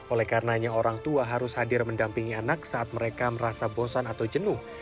oleh karenanya orang tua harus hadir mendampingi anak saat mereka merasa bosan atau jenuh